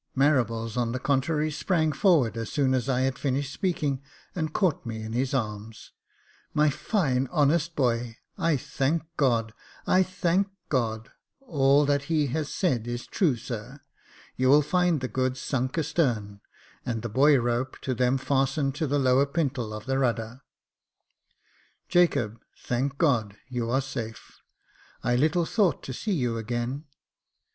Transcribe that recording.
Marables, on the contrary, sprang forward as soon as I had finished speaking, and caught me in his arms. " My fine, honest boy ! I thank God — I thank God ! All that he has said is true, sir. You will find the goods sunk astern, and the buoy rope to them fastened to the lower pintle of the rudder. Jacob, thank God, you are safe ! I little thought to see you again.